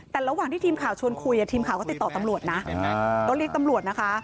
แต่ระหว่างที่ทีมข่าวชวนคุยทีมข่าวก็ติดต่อตำรวจนะก็เรียกตำรวจนะคะ